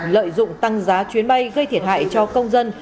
lợi dụng tăng giá chuyến bay gây thiệt hại cho công dân